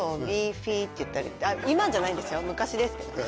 今じゃないですよ昔ですけどね